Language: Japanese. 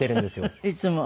いつも？